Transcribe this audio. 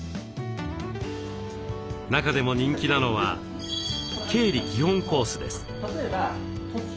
中でも人気なのは「経理基本コース」です。